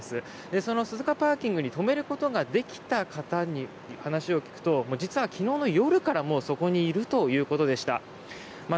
その鈴鹿ＰＡに止めることができた方に話を聞くと実は昨日の夜から、もうそこにいるということでした。